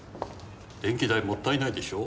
電気代もったいないでしょ